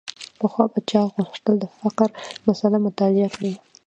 پخوا به چا غوښتل د فقر مسأله مطالعه کړي.